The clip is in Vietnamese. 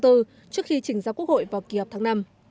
trước khi trình ra quốc hội vào kỳ họp tháng năm